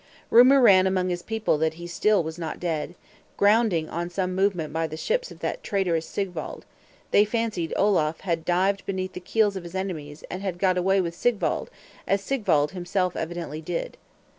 Rumor ran among his people that he still was not dead; grounding on some movement by the ships of that traitorous Sigwald, they fancied Olaf had dived beneath the keels of his enemies, and got away with Sigwald, as Sigwald himself evidently did.